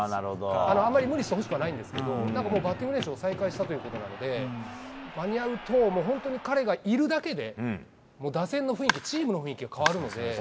あまり無理してほしくはないんですけどバッティング練習を再開したということなので間に合うと本当に彼がいるだけで打線の雰囲気チームの雰囲気が変わるので。